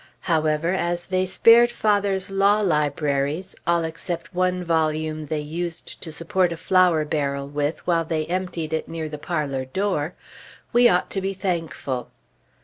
However, as they spared father's law libraries (all except one volume they used to support a flour barrel with, while they emptied it near the parlor door), we ought to be thankful.